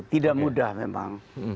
tidak mudah memang